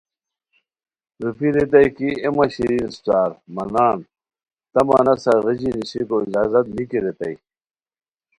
روپھی ریتائے کی اے مہ شیرین اسپڅار، مہ نان، تہ مہ نسہ غیژی نیشیکو اجازت نیکی ریتائے